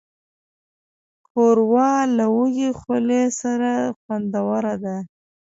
ښوروا له وږې خولې سره خوندوره ده.